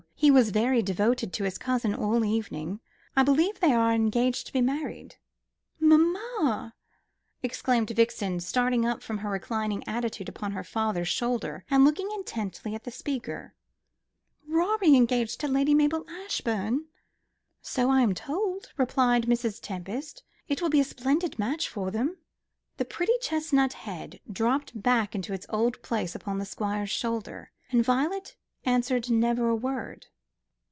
He was very devoted to his cousin all the evening. I believe they are engaged to be married." "Mamma!" exclaimed Vixen, starting up from her reclining attitude upon her father's shoulder, and looking intently at the speaker; "Rorie engaged to Lady Mabel Ashbourne!" "So I am told," replied Mrs. Tempest. "It will be a splendid match for him." The pretty chestnut head dropped back into its old place upon the Squire's shoulder, and Violet answered never a word.